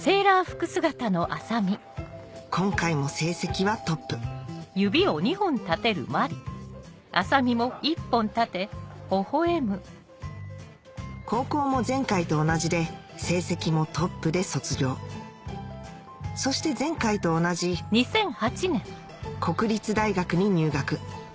今回も成績はトップ高校も前回と同じで成績もトップで卒業そして前回と同じ国立大学に入学